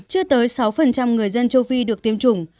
chưa tới sáu người dân châu phi được tiêm chủng